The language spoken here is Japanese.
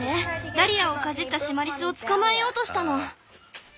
ダリアをかじったシマリスを捕まえようとしたの！